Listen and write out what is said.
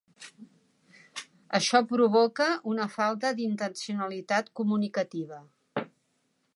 Això provoca una falta d'intencionalitat comunicativa i escassetat de vocabulari i de models lingüístics adequats.